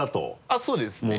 あっそうですね。